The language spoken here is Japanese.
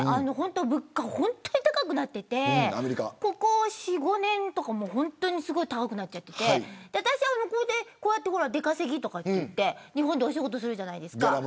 物価が本当に高くなっていてここ４、５年は本当にすごく高くなっちゃって私はこうやって出稼ぎとかいって日本でお仕事するじゃないですか。